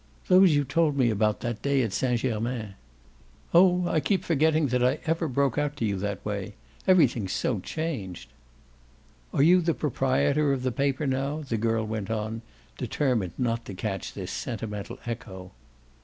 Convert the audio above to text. "Those you told me about that day at Saint Germain." "Oh I keep forgetting that I ever broke out to you that way. Everything's so changed." "Are you the proprietor of the paper now?" the girl went on, determined not to catch this sentimental echo.